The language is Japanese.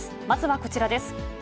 まずはこちらです。